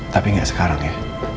tapi gak sekarang ya